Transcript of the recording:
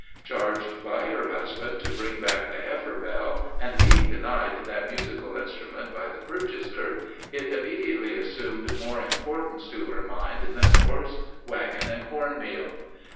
Charged by her husband to bring back the heifer bell, and being denied that musical instrument by the purchaser, it immediately assumed more importance to her mind than horse, wagon, and corn meal.